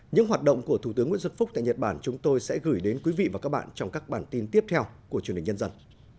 những hoạt động của thủ tướng nguyễn xuân phúc tại nhật bản chúng tôi sẽ gửi đến quý vị và các bạn trong các bản tin tiếp theo của truyền hình nhân dân